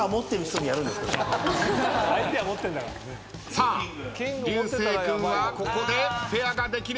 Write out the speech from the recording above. さあ流星君はここでペアができればクリア。